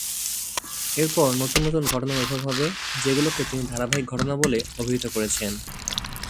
এরপর নতুন নতুন ঘটনার উদ্ভব হবে, যেগুলোকে তিনি ধারাবাহিক ঘটনা বলে অভিহিত করেছেন।